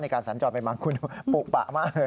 การสัญจรไปมาคุณปุปะมากเลย